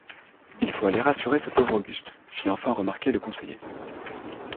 Il faut aller rassurer ce pauvre Auguste, fit enfin remarquer le conseiller.